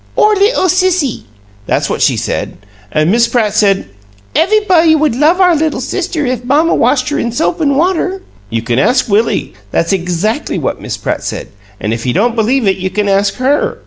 'Our 'ittle sissy'; that's what she said. An' Miss Pratt said, 'Ev'rybody would love our little sister if mamma washed her in soap an' water!' You can ask Willie; that's exackly what Miss Pratt said, an' if you don't believe it you can ask HER.